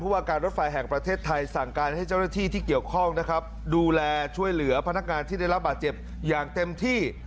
ว่าการรถไฟแห่งประเทศไทยสั่งการให้เจ้าหน้าที่ที่เกี่ยวข้องนะครับดูแลช่วยเหลือพนักงานที่ได้รับบาดเจ็บอย่างเต็มที่